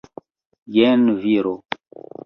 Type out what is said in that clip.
Jen viro!